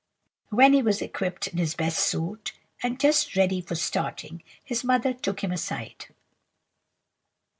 When he was equipped in his best suit, and just ready for starting, his mother took him aside.